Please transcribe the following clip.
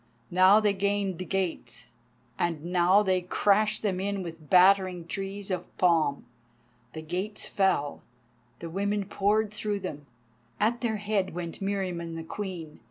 Now they gained the gates, and now they crashed them in with battering trees of palm. The gates fell, the women poured through them. At their head went Meriamun the Queen.